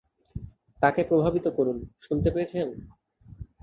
তাকে প্রভাবিত করুন, শুনতে পেয়েছেন?